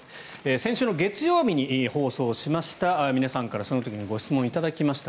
先週月曜日に放送しました皆さんからその時にご質問を頂きました。